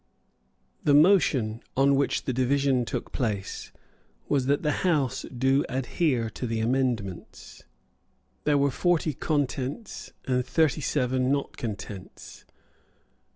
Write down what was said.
The motion on which the division took place was that the House do adhere to the amendments. There were forty contents and thirty seven not contents.